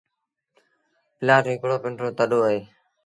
پلآٽ هڪڙو پنڊرو تڏو اهي۔